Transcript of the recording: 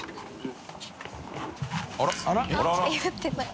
△蕁言ってない。